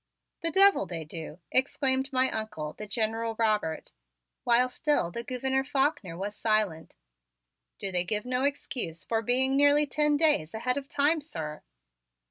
"The devil they do!" exclaimed my Uncle, the General Robert, while still the Gouverneur Faulkner was silent. "Do they give no excuse for being nearly ten days ahead of time, sir?"